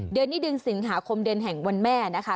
เดือนนี้เดือนสิงหาคมเดือนแห่งวันแม่นะคะ